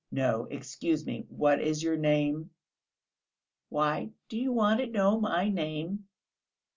"No, excuse me ... what is your name?" "Why do you want to know my name?..."